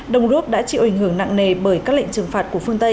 đồng rút đã chịu ảnh hưởng nặng nề bởi các lệnh trừng phạt của phương tây